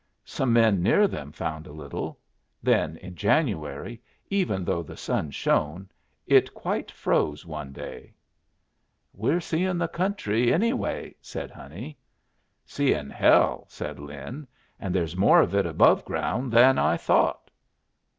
Some men near them found a little. Then in January, even though the sun shone, it quite froze one day. "We're seein' the country, anyway," said Honey. "Seein' hell," said Lin, "and there's more of it above ground than I thought."